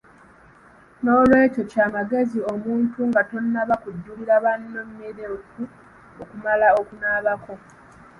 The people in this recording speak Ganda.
N'olwekyo kya magezi omuntu nga tonnaba kujjulira banno mmere okumala okunaabako.